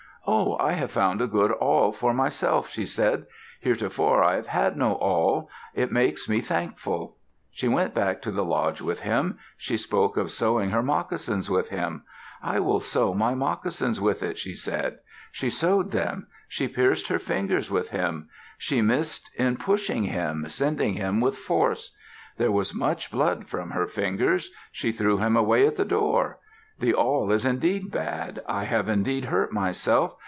"Oh! I have found a good awl for myself," she said. "Heretofore I have had no awl. It makes me thankful." She went back to the lodge with him. She spoke of sewing her moccasins with him. "I will sew my moccasins with it," she said. She sewed them. She pierced her fingers with him. She missed in pushing him, sending him with force. There was much blood from her fingers. She threw him away at the door. "The awl is indeed bad. I have indeed hurt myself.